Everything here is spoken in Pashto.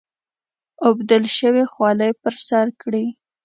اوبدل شوې خولۍ پر سر کړي.